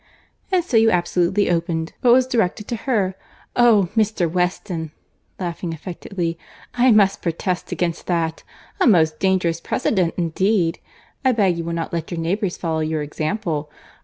"And so you absolutely opened what was directed to her! Oh! Mr. Weston—(laughing affectedly) I must protest against that.—A most dangerous precedent indeed!—I beg you will not let your neighbours follow your example.